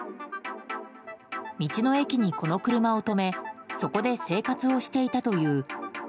道の駅に、この車を止めそこで生活をしていたという。